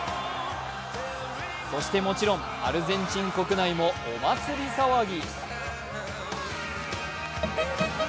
そしてもちろん、アルゼンチン国内もお祭り騒ぎ。